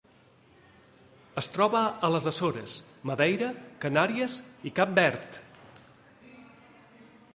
Es troba a les Açores, Madeira, Canàries i Cap Verd.